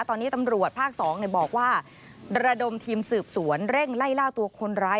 ตอนนี้ตำรวจภาค๒บอกว่าระดมทีมสืบสวนเร่งไล่ล่าตัวคนร้าย